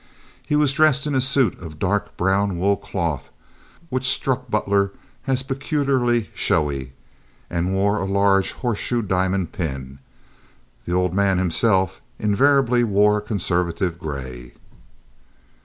He was dressed in a suit of dark brown wool cloth, which struck Butler as peculiarly showy, and wore a large horseshoe diamond pin. The old man himself invariably wore conservative gray.